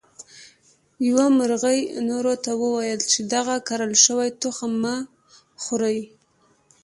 یوه مرغۍ نورو ته وویل چې دغه کرل شوي تخم مه خورئ.